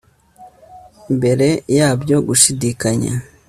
Imbere yabyo gushidikanya